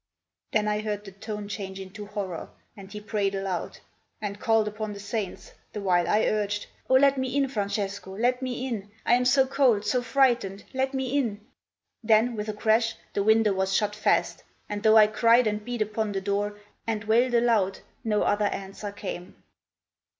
Then I heard the tone Change into horror, and he prayed aloud And called upon the saints, the while I urged, "O, let me in, Francesco; let me in! I am so cold, so frightened, let me in!" Then, with a crash, the window was shut fast; And, though I cried and beat upon the door And wailed aloud, no other answer came.